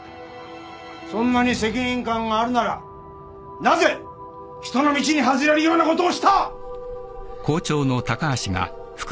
そんなに責任感があるならなぜ人の道に外れるようなことをした！